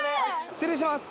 失礼します